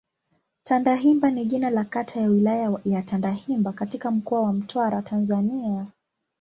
Tandahimba ni jina la kata ya Wilaya ya Tandahimba katika Mkoa wa Mtwara, Tanzania.